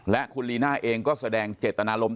และคุณลีน่าเองก็แสดงเจตนารมณ์